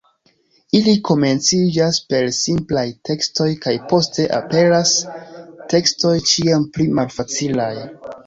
Ili komenciĝas per simplaj tekstoj kaj poste aperas tekstoj ĉiam pli malfacilaj.